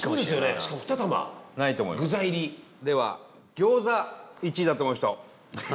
伊達：では、餃子１位だと思う人！